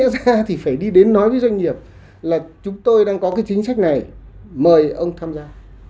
thứ hai thì phải đi đến nói với doanh nghiệp là chúng tôi đang có cái chính sách này mời ông tham gia